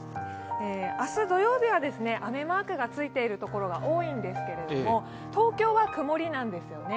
明日、土曜日は雨マークがついているところが多いんですけれども、東京は曇りなんです。